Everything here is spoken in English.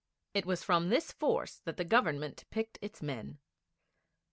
It was from this force that the Government picked its men.